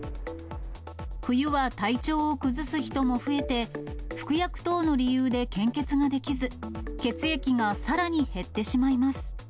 冬は体調を崩す人も増えて、服薬等の理由で献血ができず、血液がさらに減ってしまいます。